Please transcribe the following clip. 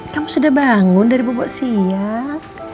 kamu sudah bangun dari bubuk siap